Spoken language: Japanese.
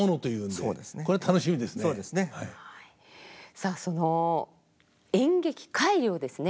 さあその演劇改良をですね